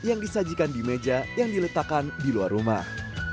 yang disajikan di meja yang diletakkan di luar rumah